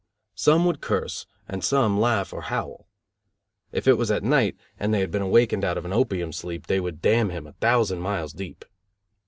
Some would curse, and some laugh or howl. If it was at night and they had been awakened out of an opium sleep, they would damn him a thousand miles deep.